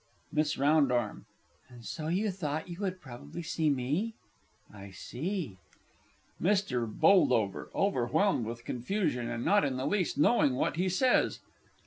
MISS R. And so you thought you would probably meet me. I see. MR. B. (overwhelmed with confusion, and not in the least knowing what he says).